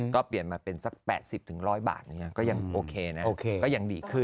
ก็เปลี่ยนมาเป็น๘๐๑๐๐บาทก็ยังโอเคนะ